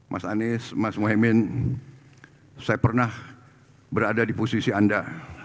mas anies mas mohaimin saya pernah berada di posisi anda